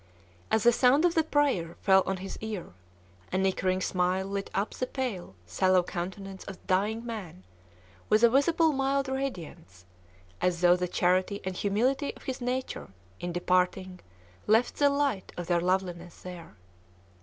As the sound of the prayer fell on his ear, a nickering smile lit up the pale, sallow countenance of the dying man with a visible mild radiance, as though the charity and humility of his nature, in departing, left the light of their loveliness there.